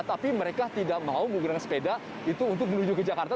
tapi mereka tidak mau menggunakan sepeda itu untuk menuju ke jakarta